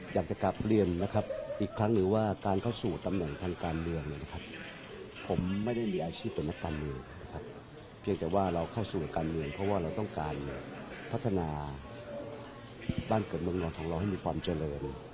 อยากจะกลับเรียนนะครับอีกครั้งหนึ่งว่าการเข้าสู่ตำแหน่งทางการเมืองเนี่ยนะครับผมไม่ได้มีอาชีพต่อนักการเมืองนะครับเพียงแต่ว่าเราเข้าสู่การเมืองเพราะว่าเราต้องการพัฒนาบ้านเกิดเมืองเราของเราให้มีความเจริญ